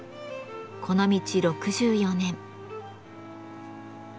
この道６４年。